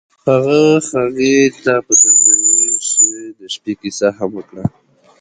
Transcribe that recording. هغه هغې ته په درناوي د شپه کیسه هم وکړه.